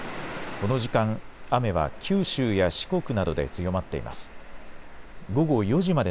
この時間、雨は九州や四国などで強まっています。